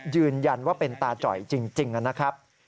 ยืนยันว่าเป็นตาจ่อยจริงนะครับ